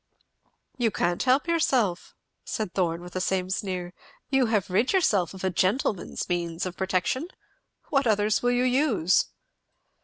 "You can't help yourself," said Thorn, with the same sneer. "You have rid yourself of a gentleman's means of protection, what others will you use?